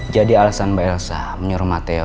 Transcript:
jadi alasan mbak elsa menyuruh mati